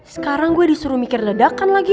sekarang gue disuruh mikir ledakan lagi